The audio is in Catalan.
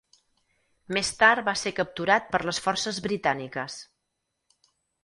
Més tard va ser capturat per les forces britàniques.